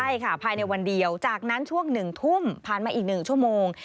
ใช่ค่ะภายในวันเดียวจากนั้นช่วง๑ทุ่มผ่านมาอีก๑ชั่วโมง